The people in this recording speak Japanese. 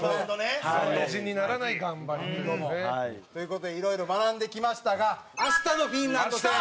澤部：数字にならない頑張りもね。という事でいろいろ学んできましたが明日のフィンランド戦。